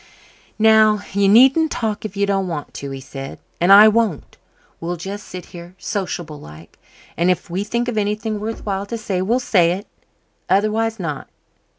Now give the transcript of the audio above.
"Now, you needn't talk if you don't want to," he said. "And I won't. We'll just sit here, sociable like, and if we think of anything worth while to say we'll say it. Otherwise, not.